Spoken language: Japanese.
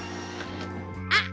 あっ！